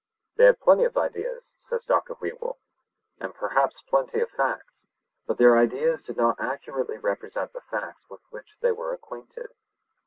'They had plenty of ideas,' says Dr. Whewell, 'and plenty of facts; but their ideas did not accurately represent the facts with which they were acquainted.